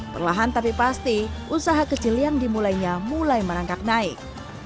perlahan tapi pasti usaha kecil yang dimulainya mulai merangkak naik